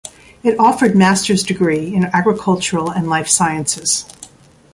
It offered master's degree in agricultural- and life sciences.